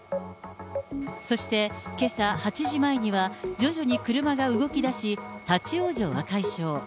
そして、けさ８時前には徐々に車が動きだし、立往生は解消。